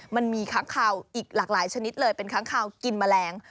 มันมีค้างคาวอีกหลากหลายชนิดเลยเป็นค้างคาวกินแมลง